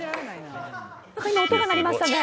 何か今、音が鳴りましたね。